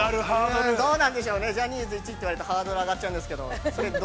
◆どうなんでしょうね、ジャニーズ１と言われるとハードルが上がるんですけど。